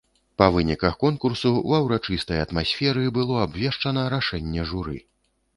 Па выніках конкурсу ва ўрачыстай атмасферы было абвешчана рашэнне журы.